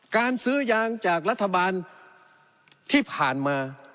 การซื้อยางจากรัฐบาลที่ผ่านมา